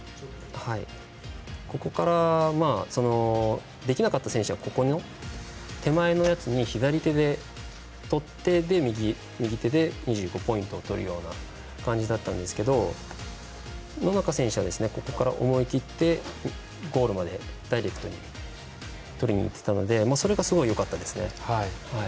ここから、できなかった選手は手前のやつに左手でとって右手で２５ポイントをとるような感じだったんですけど野中選手はここから思い切ってダイレクトにとりにいってたのでそれが、すごいよかったですね。